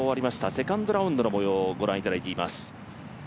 セカンドラウンドのもようをご覧いただいています。